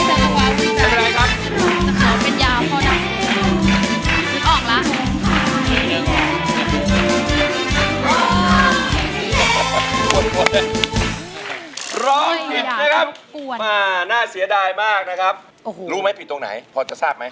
ร้องผิดนะครับน่าเสียดายมากนะครับรู้ไหมผิดตรงไหนพอจะทราบไหม